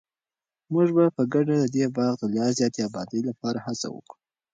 موږ به په ګډه د دې باغ د لا زیاتې ابادۍ لپاره هڅه وکړو.